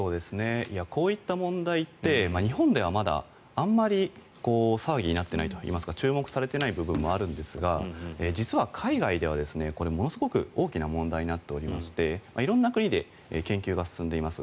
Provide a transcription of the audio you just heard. こういった問題って日本ではまだあまり騒ぎになってないといいますか注目されていない部分もあるんですが、実は海外では来れ、ものすごく大きな問題になっておりまして色んな国で研究が進んでいます。